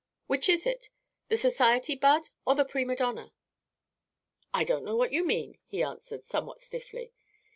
Which is it the society bud or the prima donna?" "I don't know what you mean," he answered, somewhat stiffly.